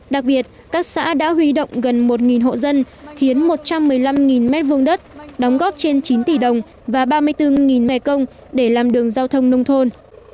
đặc biệt các xã đã huy động gần một hộ dân hiến một trăm một mươi năm m hai đất đóng góp trên chín tỷ đồng và ba mươi bốn ngày công để làm đường giao thông nông thôn